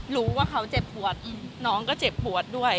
รู้ว่าเขาเจ็บหัวตัว